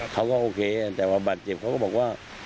เขาก็โอเคแต่ว่าบาดเจ็บเขาก็บอกว่า